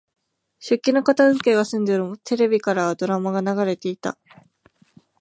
食器の片づけが済んでも、テレビからはドラマが流れていた。